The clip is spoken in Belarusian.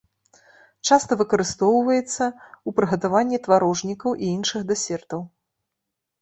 Часта выкарыстоўваецца ў прыгатаванні тварожнікаў і іншых дэсертаў.